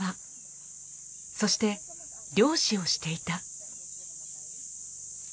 そして漁師をしていた。